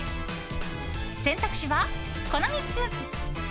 選択肢は、この３つ。